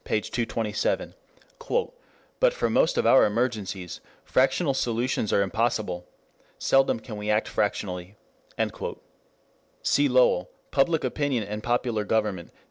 227. "But for most of our emergencies, fractional solutions are impossible. Seldom can we act fractionally." Cf. Lowell, Public Opinion and Popular Government, pp.